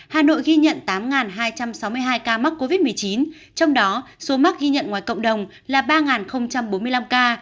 hà nội ghi nhận tám hai trăm sáu mươi hai ca mắc covid một mươi chín trong đó số mắc ghi nhận ngoài cộng đồng là ba bốn mươi năm ca